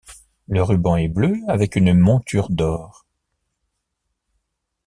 Le ruban est bleu avec une monture d'or.